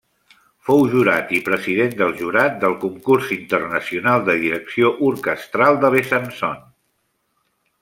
Fou jurat i president del jurat del concurs internacional de direcció orquestral de Besançon.